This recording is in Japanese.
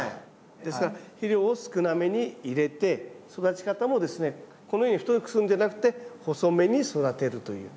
ですから肥料を少なめに入れて育ち方もですねこのように太くするんじゃなくて細めに育てるという。